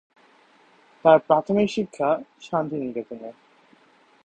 তার প্রাথমিক শিক্ষা শান্তিনিকেতনে।